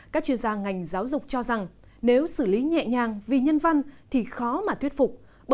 các chuyên gia ngành giáo dục cho rằng nếu xử lý nhẹ nhàng vì nhân văn thì khó mà thuyết phục